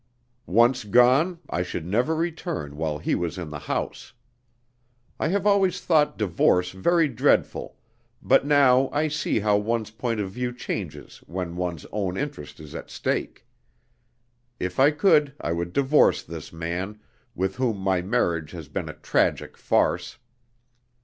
Once gone, I should never return while he was in the house. I have always thought divorce very dreadful; but now I see how one's point of view changes when one's own interest is at stake. If I could, I would divorce this man, with whom my marriage has been a tragic farce.